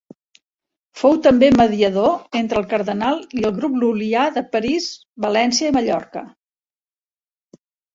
Fou també mediador entre el cardenal i el grup lul·lià de París, València i Mallorca.